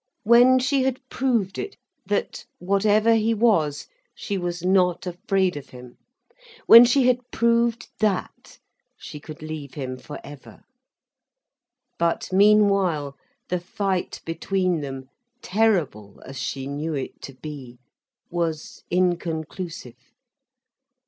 When she had proved it, that, whatever he was, she was not afraid of him; when she had proved that, she could leave him forever. But meanwhile the fight between them, terrible as she knew it to be, was inconclusive.